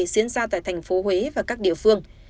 diễn ra tại thành phố huế và các địa phương